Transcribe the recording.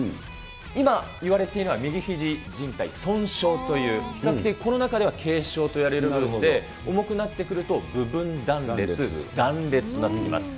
今、いわれているのは右ひじじん帯損傷という、比較的この中では軽傷といわれるもので、重くなってくると部分断裂、断裂となってきます。